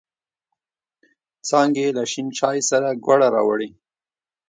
څانگې له شین چای سره گوړه راوړې.